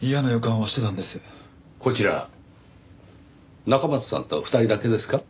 こちら中松さんと２人だけですか？